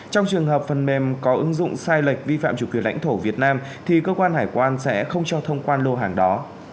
trong trường hợp phần mềm có ứng dụng sai lệch vi phạm chủ quyền lãnh thổ việt nam thì cơ quan hải quan sẽ không cho thông quan lô hàng đó